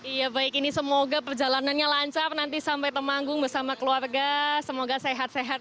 iya baik ini semoga perjalanannya lancar nanti sampai temanggung bersama keluarga semoga sehat sehat